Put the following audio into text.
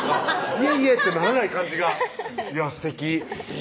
「いえいえ」ってならない感じがすてき